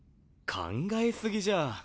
考え過ぎじゃあ。